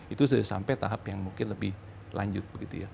itu sudah sampai tahap yang mungkin lebih lanjut